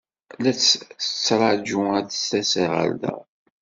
La tt-ttṛajuɣ ad d-tas ɣer da.